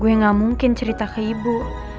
gue gak mungkin cerita ke ibu